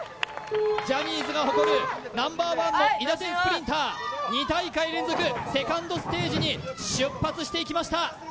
ジャニーズが誇るナンバーワンのいだてんスプリンター２大会連続セカンドステージに出発していきました